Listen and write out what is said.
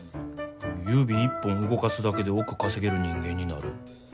指一本動かすだけで億稼げる人間になる。